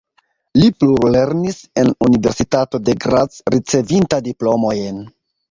Li plulernis en universitato de Graz ricevinta diplomojn.